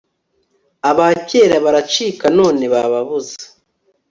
Abakera baracika none bababuze